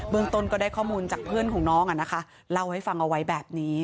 เบื้องตนก็ได้ข้อมูลจากเพื่อนของน้องอ่ะนะคะเล่าให้ฟังเอาไว้แบบนี้